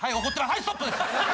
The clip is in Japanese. はいストップです！